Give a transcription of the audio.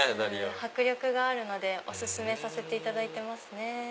迫力があるのでお薦めさせていただいてますね。